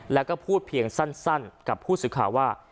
แล้วก็พูดเพียงสั้นกับผู้สื่อข่าวว่า